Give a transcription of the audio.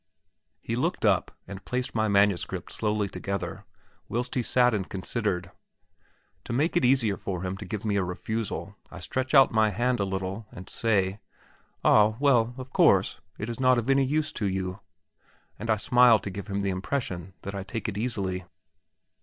He looked up, and placed my manuscript slowly together, whilst he sat and considered. To make it easier for him to give me a refusal, I stretch out my hand a little, and say: "Ah, well, of course, it is not of any use to you," and I smile to give him the impression that I take it easily.